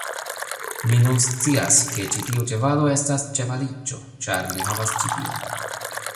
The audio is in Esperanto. Mi nun scias, ke ĉi tiu ĉevalo estas ĉevaliĉo ĉar li havas ĉi tion!